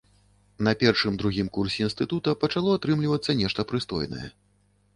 На першым-другім курсе інстытута пачало атрымлівацца нешта прыстойнае.